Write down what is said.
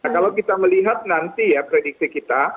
kalau kita melihat nanti ya prediksi kita